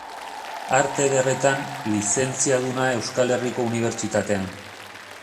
Arte Ederretan lizentziaduna Euskal Herriko Unibertsitatean.